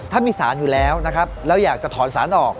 ถ้ามีสารอยู่แล้วเราอยากจะถอนสารออก